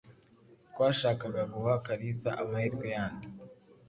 Twashakaga guha Kalisa amahirwe yandi.